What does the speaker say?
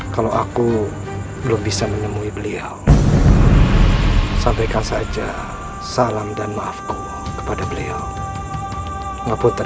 kalau aku belum bisa menemui beliau sampaikan saja salam dan maafku kepada beliau